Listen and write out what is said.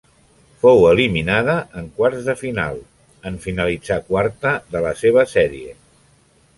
Fou eliminada en quarts de final en finalitzar quarta de la seva sèrie.